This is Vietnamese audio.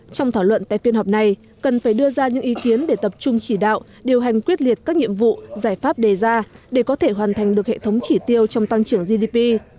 trong thảo luận tại phiên họp này cần phải đưa ra những ý kiến để tập trung chỉ đạo điều hành quyết liệt các nhiệm vụ giải pháp đề ra để có thể hoàn thành được hệ thống chỉ tiêu trong tăng trưởng gdp